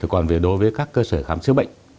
còn đối với các cơ sở khám chữa bệnh